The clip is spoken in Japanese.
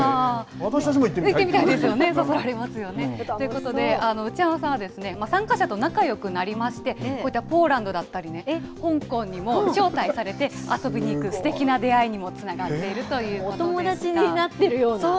行ってみたいですよね、そそられますよね。ということで、内山さんは、参加者と仲よくなりまして、こういったポーランドだったり、香港にも招待されて、遊びに行くすてきな出会いにもつながっているというお友達になっているような。